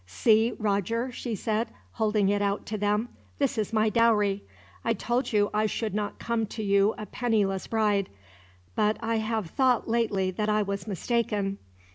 "See, Roger," she said, holding it out to them, "this is my dowry. I told you I should not come to you a penniless bride, but I have thought lately that I was mistaken.